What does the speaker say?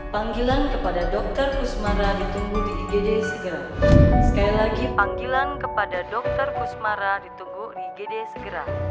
penggilang kepada dokter kusmara ditunggu di gede segera